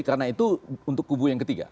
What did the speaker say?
karena itu untuk kubu yang ketiga